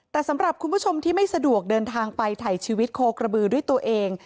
แต่สำหรับคุณผู้ชมที่ไม่สะดวกเดินทางไปถ่ายชีวิตโคกระบือด้วยตัวเอง